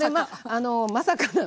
まさか。